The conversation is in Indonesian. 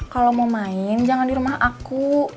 kalau mau main jangan di rumah aku